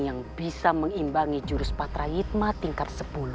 yang bisa mengimbangi jurus patra yidma tingkat sepuluh